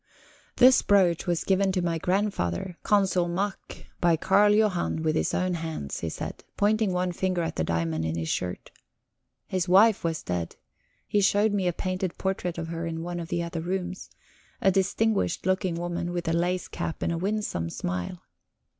"This brooch was given to my grandfather, Consul Mack, by Carl Johan with his own hands," he said, pointing one finger at the diamond in his shirt. His wife was dead; he showed me a painted portrait of her in one of the other rooms a distinguished looking woman with a lace cap and a winsome smile.